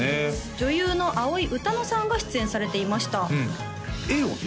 女優の葵うたのさんが出演されていましたうん絵をね